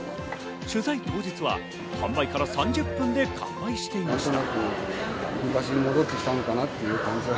取材当日は販売から３０分で完売していました。